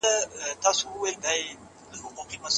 د اصحابو او تابعينو لاره د نجات لاره ده.